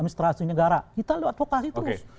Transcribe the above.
administrasi negara kita lewat advokasi terus